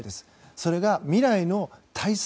それが、未来の体操